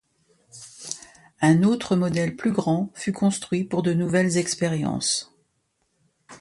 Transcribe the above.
Un autre modèle plus grand fut construit pour de nouvelles expériences.